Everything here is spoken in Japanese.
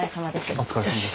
お疲れさまです。